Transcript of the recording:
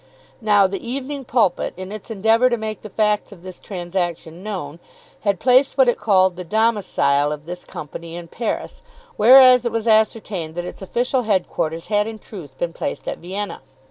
Now the "Evening Pulpit," in its endeavour to make the facts of this transaction known, had placed what it called the domicile of this company in Paris, whereas it was ascertained that its official head quarters had in truth been placed at Vienna.